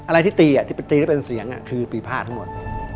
อะไรที่ตีที่เป็นตีแล้วเป็นเสียงคือปีภาษทั้งหมด